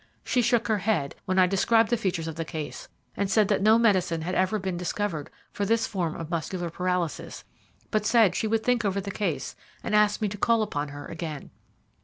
She shook her head when I described the features of the case, said that no medicine had ever yet been discovered for this form of muscular paralysis, but said she would think over the case, and asked me to call upon her again.